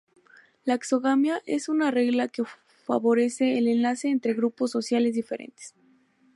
La exogamia es una regla que favorece el enlace entre grupos sociales diferentes.